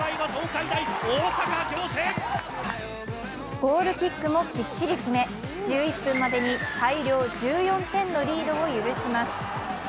ゴールキックもきっちり決め１２分までに大量１４点のリードを許します。